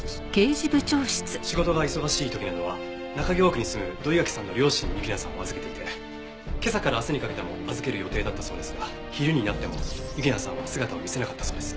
仕事が忙しい時などは中京区に住む土居垣さんの両親に雪菜さんを預けていて今朝から明日にかけても預ける予定だったそうですが昼になっても雪菜さんは姿を見せなかったそうです。